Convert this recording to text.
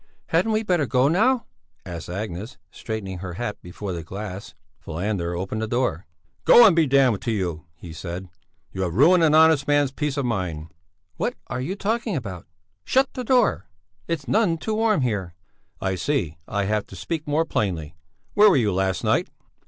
"Hadn't we better go now?" asked Agnes, straightening her hat before the glass. Falander opened the door. "Go and be damned to you!" he said. "You have ruined an honest man's peace of mind." "What are you talking about? Shut the door! It's none too warm here." "I see, I have to speak more plainly. Where were you last night?"